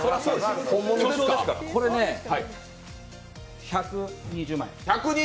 これね、１２０万円。